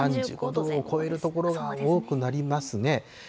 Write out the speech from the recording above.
３５度を超える所が多くなりますね。